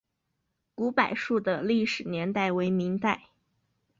古柏树的历史年代为明代。